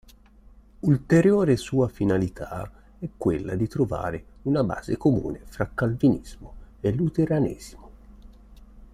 Ulteriore sua finalità è quella di trovare una base comune fra Calvinismo e Luteranesimo.